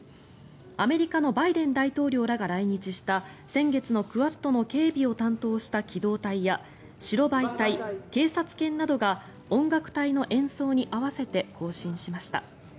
アメリカのバイデン大統領らが来日した先月のクアッドの警備を担当した機動隊や白バイ隊、警察犬などが音楽隊の演奏に合わせて行進しました。